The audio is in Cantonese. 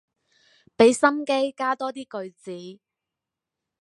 俾心機加多啲句子